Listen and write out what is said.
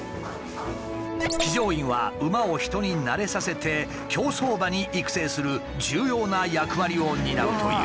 騎乗員は馬を人になれさせて競走馬に育成する重要な役割を担うという。